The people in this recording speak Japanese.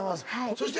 そして？